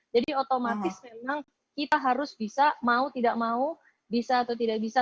jadi otomatis memang kita harus bisa mau tidak mau bisa atau tidak bisa